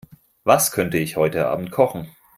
Was könnte ich heute Abend kochen?